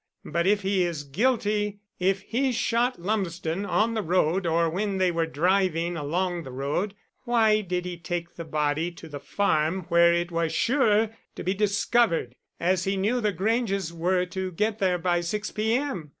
But if he is guilty if he shot Lumsden on the road or when they were driving along the road why did he take the body to the farm where it was sure to be discovered, as he knew the Granges were to get there by 6 p. m.?